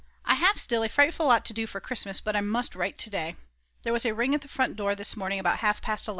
I have still a frightful lot to do for Christmas, but I must write to day. There was a ring at the front door this morning at about half past 11.